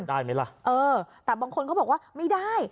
ได้ไหมล่ะเออแต่บางคนเขาบอกว่าไม่ได้